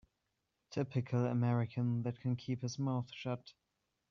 Typical American that can keep his mouth shut.